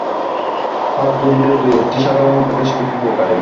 হঠযোগীদের দুই-একটি সাধারণ উপদেশ খুব উপকারী।